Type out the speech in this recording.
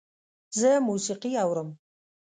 زه موسیقي اورم